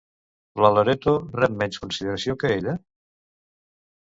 La Loreto rep menys consideració que ella?